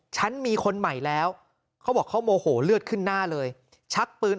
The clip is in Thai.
ฉันมีคนใหม่แล้วเขาบอกเขาโมโหเลือดขึ้นหน้าเลยชักปืน